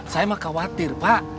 saya mah khawatir pak